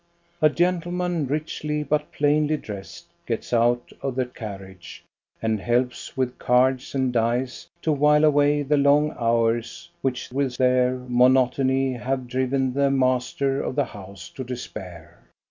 A gentleman richly but plainly dressed gets out of the carriage, and helps with cards and dice to while away the long hours which with their monotony have driven the master of the house to despair.